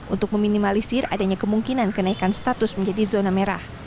untuk meminimalisir adanya kemungkinan kenaikan status menjadi zona merah